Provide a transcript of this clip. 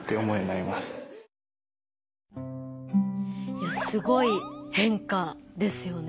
いやすごい変化ですよね。